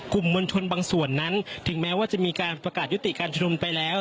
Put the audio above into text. กลุ่มมวลชนบางส่วนนั้นถึงแม้ว่าจะมีการประกาศยุติการชุมนุมไปแล้ว